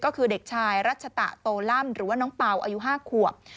ก็คือเด็กชายรัชตะโตล่ำหรือว่าน้องเป่าอายุ๕ขวบ